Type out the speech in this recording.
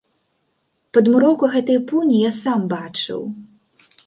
Падмуроўку гэтай пуні я сам бачыў.